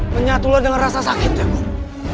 menyatulah dengan rasa sakitnya guru